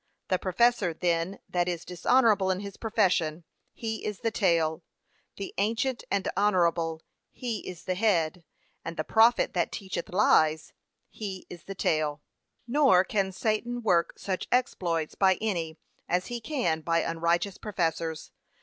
The professor then that is dishonourable in his profession, he is the tail. 'The ancient and honourable, he is the head; and the prophet that teacheth lies, he is the tail.' Nor can Satan work such exploits by any, as he can by unrighteous professors.